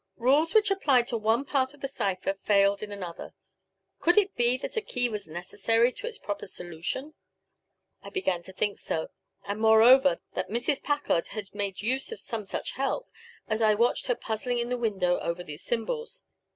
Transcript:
Rules which applied to one part of the cipher failed in another. Could it be that a key was necessary to its proper solution? I began to think so, and, moreover, that Mrs. Packard had made use of some such help as I watched her puzzling in the window over these symbols.